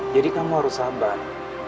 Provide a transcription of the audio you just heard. jadi kamu harus sabar